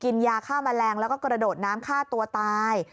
ยาฆ่าแมลงแล้วก็กระโดดน้ำฆ่าตัวตาย